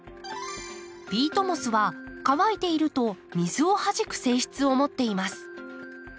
ピートモスは乾いていると水をはじく性質を持っています。